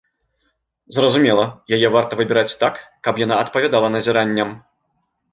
Зразумела, яе варта выбіраць так, каб яна адпавядала назіранням.